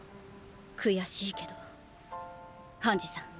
悔しいけどハンジさん